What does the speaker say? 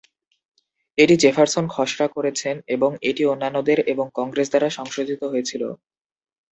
এটি জেফারসন খসড়া করেছেন এবং এটি অন্যান্যদের এবং কংগ্রেস দ্বারা সংশোধিত হয়েছিল।